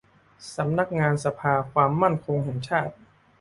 สำนักงานสภาความมั่นคงแห่งชาติ